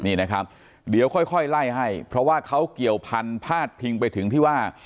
นี่นะครับเดี๋ยวค่อยไล่ให้เพราะว่าเขาเกี่ยวพันพาดพิงไปถึงที่ว่า